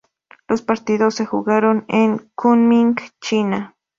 Los partidos se jugaron en Kunming, China.